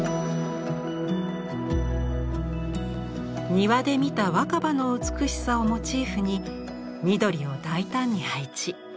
庭で見た若葉の美しさをモチーフに緑を大胆に配置。